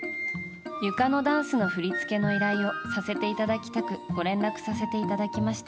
ゆかのダンスの振り付けの依頼をさせていただきたくご連絡させていただきました。